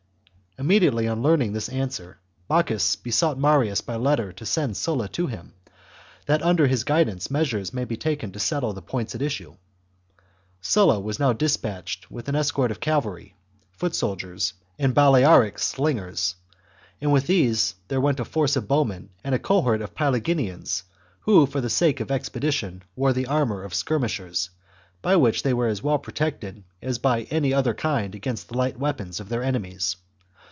CHAP. Immediately on learning this answer, Bocchus be sought Marius by letter to send Sulla to him, that under his guidance measures might be taken to settle the points, at issue. Sulla was now despatched with an escort of cavalry [foot soldiers], and Balearic slingers, and with these there went a force of bowmen and a cohort of Paeliginians who, for the sake of expedi tion, wore the armour of skirmishers, by which they were as well protected as by any other kind against the [light] weapons of their enemies.